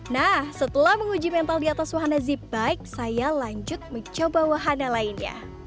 nah setelah menguji mental di atas wahana zip bike saya lanjut mencoba wahana lainnya